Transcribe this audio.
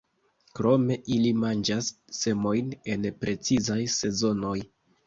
Krome ili manĝas semojn en precizaj sezonoj.